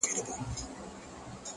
ستا په يادونو كي راتېره كړله-